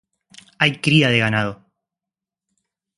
Hay cría de ganado.